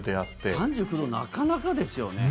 ３９度なかなかですよね。